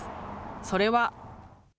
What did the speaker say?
それは。